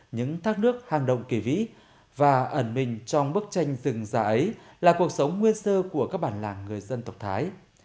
những thác nước hàng động kỳ vĩ và ẩn mình trong bức tranh rừng già ấy là cuộc sống nguyên sơ của các bản làng người dân tộc thái